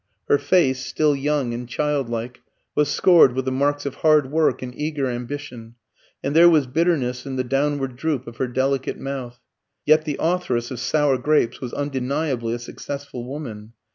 Her face, still young and childlike, was scored with the marks of hard work and eager ambition, and there was bitterness in the downward droop of her delicate mouth. Yet the authoress of "Sour Grapes" was undeniably a successful woman.